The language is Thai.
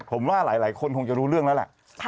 ผมว่าหลายคนคงจะรู้เรื่องแล้วแหละ